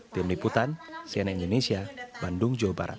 tim liputan cnn indonesia bandung jawa barat